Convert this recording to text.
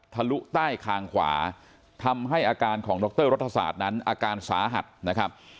ลุใต้คางขวาทำให้อาการของดรรัฐศาสตร์นั้นอาการสาหัสนะครับ